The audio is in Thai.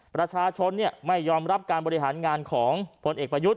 ประชาชนไม่ยอมรับการบริหารงานของพลเอกประยุทธ์